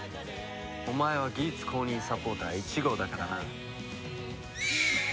お前はギーツ公認サポーター１号だからな。